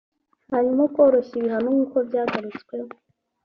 harimo koroshya ibihano nkuko byagarutsweho